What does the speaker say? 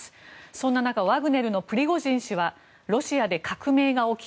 そんな中ワグネルのプリゴジン氏はロシアで革命が起き